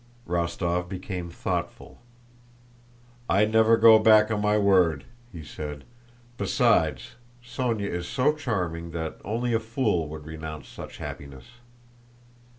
Rostóv became thoughtful. "I never go back on my word," he said. "Besides, Sónya is so charming that only a fool would renounce such happiness."